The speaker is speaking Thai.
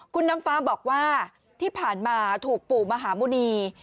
คุณน้ำฟ้าบอกว่าที่ผ่านมาถูกปู่มหาหมุณี